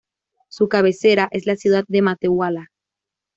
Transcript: Su cabecera es la ciudad de Matehuala.